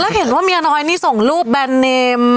แล้วเห็นว่าเมียน้อยนี่ส่งรูปแบรนดเนม